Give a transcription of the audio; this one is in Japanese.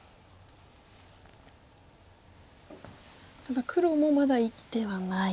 ただ黒もまだ生きてはない。